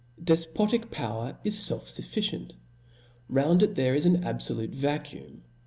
Defpotic power is felf fuffi cient i round it there is an abfolute vacuum.